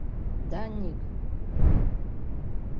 — Даник!